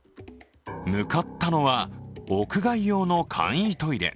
向かったのは屋外用の簡易トイレ。